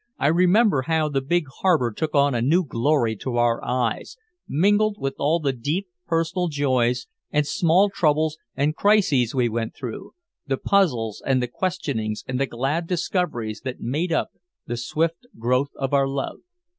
I remember how the big harbor took on a new glory to our eyes, mingled with all the deep personal joys and small troubles and crises we went through, the puzzles and the questionings and the glad discoveries that made up the swift growth of our love.